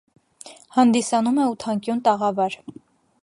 Հանդիսանում է ութանկյուն տաղավար։